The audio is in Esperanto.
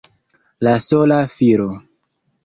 La sola filo!